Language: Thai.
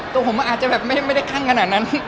ตัวผมอาจจะแบบไม่ได้คลั่งขนาดนั้น